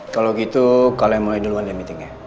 kalau gitu kalian mulai duluan di meetingnya